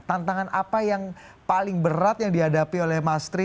tantangan apa yang paling berat yang dihadapi oleh mas tri